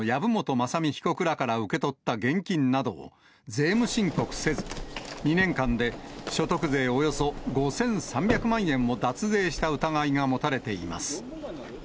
雅巳被告らから受け取った現金などを税務申告せず、２年間で所得税およそ５３００万円を脱税した疑いが持たれています。